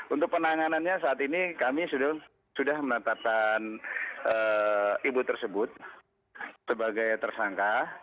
untuk penanganannya saat ini kami sudah menetapkan ibu tersebut sebagai tersangka